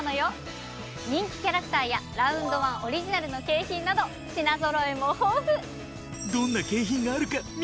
人気キャラクターやラウンドワンオリジナルの景品など品ぞろえも豊富！